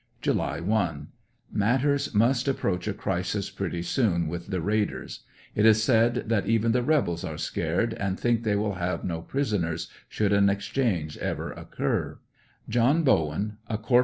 July 1. — Matters must approach a crisis pretty soon with the raiders. It is said that even the rebels are scared and think they will have no prisoners, should an exchange ever occur, John Bowen, a Corp.